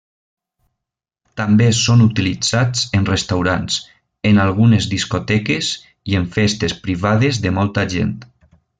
També són utilitzats en restaurants, en algunes discoteques i en festes privades de molta gent.